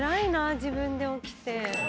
自分で起きて。